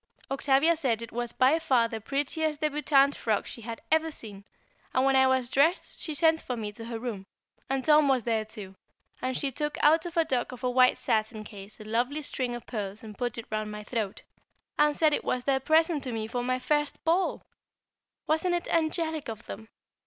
Octavia said it was by far the prettiest débutante frock she had ever seen; and when I was dressed she sent for me to her room, and Tom was there too, and she took out of a duck of a white satin case a lovely string of pearls and put it round my throat, and said it was their present to me for my first ball! Wasn't it angelic of them?